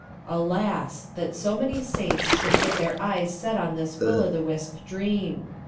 Alas ! that so man}^ saints should get their e3 es set on this will o' the wisp dream.